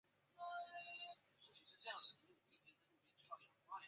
塞费塔尔是德国下萨克森州的一个市镇。